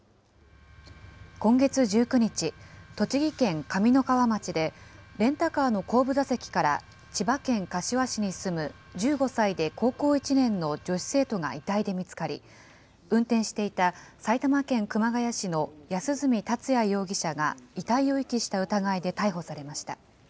今月１９日、栃木県上三川町で、レンタカーの後部座席から、千葉県柏市に住む１５歳で高校１年の女子生徒が遺体で見つかり、運転していた埼玉県熊谷市の安栖達也容疑者が遺体を遺棄した疑いで逮捕されました。